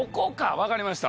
分かりました。